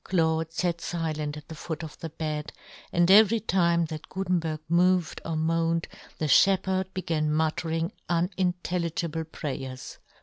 Claude fat filent at the foot of the bed, and every time that Gutenberg moved or moaned the fhepherd began muttering unin telligible prayers.